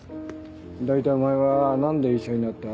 大体お前は何で医者になった？